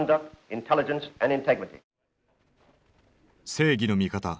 正義の味方